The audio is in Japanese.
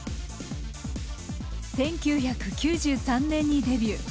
１９９３年にデビュー。